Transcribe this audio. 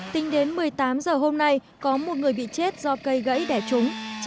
tính đến một mươi tám h hôm nay có một người bị chết do cây gãy đẻ trúng